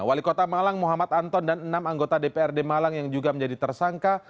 wali kota malang muhammad anton dan enam anggota dprd malang yang juga menjadi tersangka